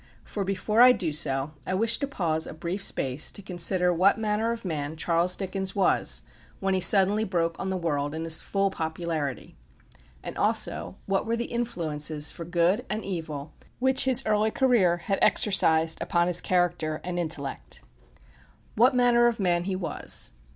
For before I do so, I wish to pause a brief space to consider what manner of man Charles Dickens was when he suddenly broke on the world in his full popularity; and also what were the influences, for good and evil, which his early career had exercised upon his character and intellect. What manner of man he was?